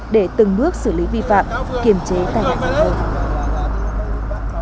để giải phạm kiềm chế tai nạn giao thông